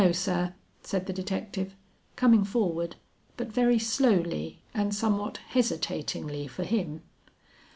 "No sir," said the detective, coming forward, but very slowly and somewhat hesitatingly for him.